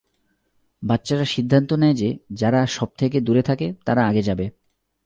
বাচ্চারা সিদ্ধান্ত নেয় যে যারা সবথেকে দূরে থাকে তারা আগে যাবে।